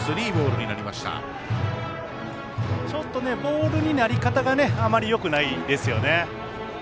ちょっとボールのなり方があまりよくないですよね。